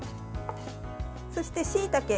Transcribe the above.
そして、しいたけ。